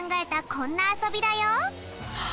こんなあそびだよ。